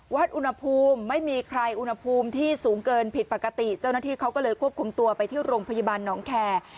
อุณหภูมิไม่มีใครอุณหภูมิที่สูงเกินผิดปกติเจ้าหน้าที่เขาก็เลยควบคุมตัวไปที่โรงพยาบาลน้องแคร์